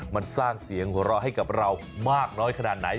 มันสร้างเสียงหัวเราะให้กับเรามากน้อยขนาดไหน